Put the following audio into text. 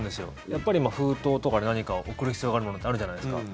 やっぱり封筒とか何か送る必要があるものってあるじゃないですか。